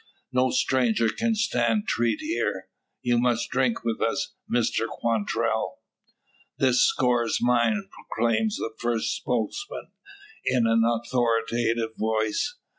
"No stranger can stand treat here. You must drink with us, Mr Quantrell." "This score's mine!" proclaims the first spokesman, in an authoritative voice.